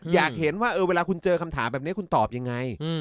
อยากเห็นว่าเวลาคุณเจอคำถามแบบนี้คุณตอบยังไง